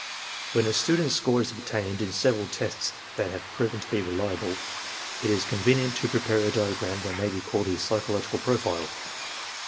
"When a student's score is obtained in several tests that have proven to be reliable, it is convenient to prepare a diagram that may be called his 'psychological profile.'